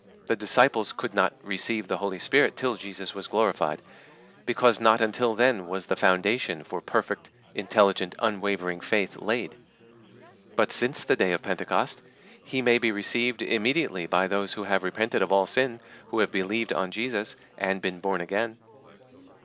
The disciples could not receive the Holy Spirit till Jesus was glorified; because not until then was the foundation for perfect, intelligent, unwavering faith laid. But since the day of Pentecost, He may be received immediately by those who have repented of all sin, who have believed on Jesus, and been born again.